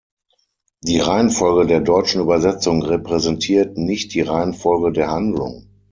Die Reihenfolge der deutschen Übersetzung repräsentiert nicht die Reihenfolge der Handlung.